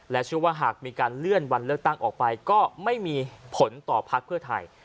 เชื่อว่าหากมีการเลื่อนวันเลือกตั้งออกไปก็ไม่มีผลต่อพักเพื่อไทย